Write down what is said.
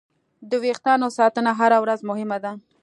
د وېښتیانو ساتنه هره ورځ مهمه ده.